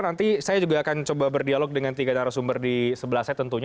nanti saya juga akan coba berdialog dengan tiga narasumber di sebelah saya tentunya